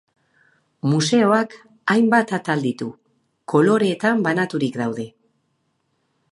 Museoak hainbat atal ditu, koloretan banaturik daude.